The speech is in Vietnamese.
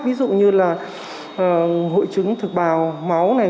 ví dụ như là hội chứng thực bào máu này